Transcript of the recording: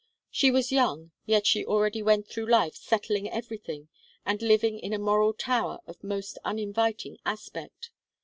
She was young, yet she already went through life settling everything, and living in a moral tower of most uninviting aspect.